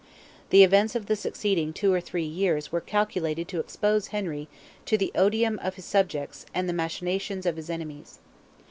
The events of the succeeding two or three years were calculated to expose Henry to the odium of his subjects and the machinations of his enemies.